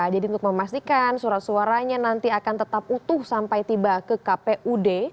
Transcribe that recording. jadi untuk memastikan surat suaranya nanti akan tetap utuh sampai tiba ke kpud